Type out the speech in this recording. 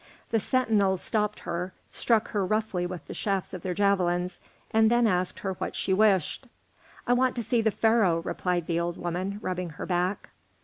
The sentinels stopped her, struck her roughly with the shafts of their javelins, and then asked her what she wished. "I want to see the Pharaoh," replied the old woman, rubbing her back.